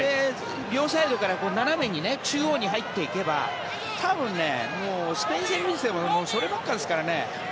両サイドから斜めに中央に入っていけば多分ね、スペイン戦を見ていてもそればかりですからね。